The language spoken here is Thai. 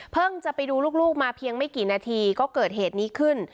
จะไปดูลูกมาเพียงไม่กี่นาทีก็เกิดเหตุนี้ขึ้น